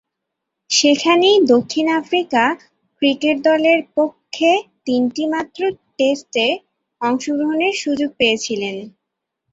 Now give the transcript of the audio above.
সেখানেই দক্ষিণ Africa cricket দলের পক্ষে তিনটিমাত্র টেস্টে অংশগ্রহণের সুযোগ পেয়েছিলেন।